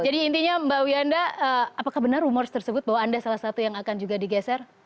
jadi intinya mbak wiyanda apakah benar rumor tersebut bahwa anda salah satu yang akan juga digeser